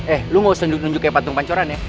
eh lu gak usah nunjuk nunjuk kayak patung pancoran ya